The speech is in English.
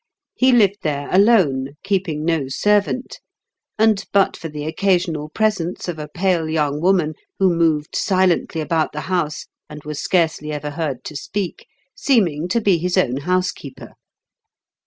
He lived there alone, keeping no servant, and, but for the occasional presence of a pale young woman, who moved silently about the house, and was scarcely ever heard to speak, seeming to be his own housekeeper.